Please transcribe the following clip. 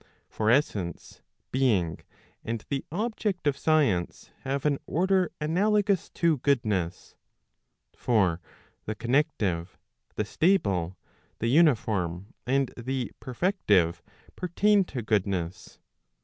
For essence, being, and the object of science, have an order analogous to goodness. For the connective, the stable, the uniform, and the perfective, pertain to goodness.